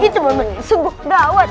itu mah segodawat